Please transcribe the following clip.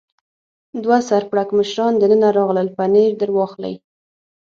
دوه سر پړکمشران دننه راغلل، پنیر در واخلئ.